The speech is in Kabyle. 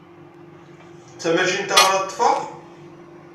D tamacint-a ara ṭṭfeɣ?